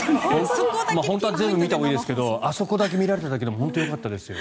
本当は全部見たほうがいいですけどあそこだけ見られただけでも本当によかったですよ。